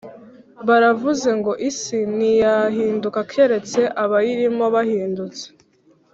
Baravuze ngo isi ntiyahinduka keretse abayirimo bahindutse